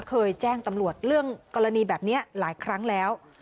เคยแจ้งตำรวจเรื่องกรณีแบบนี้หลายครั้งแล้ว